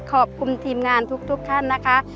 ขอบคุณทีมงานทุกท่านนะคะ